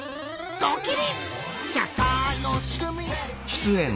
ドキリ！